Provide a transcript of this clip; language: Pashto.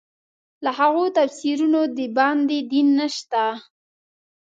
له هغو تفسیرونو د باندې دین نشته.